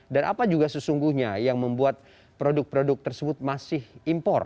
dan apa juga sesungguhnya yang membuat produk produk tersebut masih impor